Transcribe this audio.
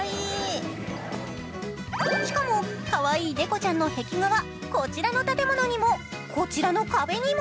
しかもかわいい猫ちゃんの壁画はこちらの建物にもこちらの壁にも